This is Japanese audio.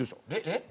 えっ？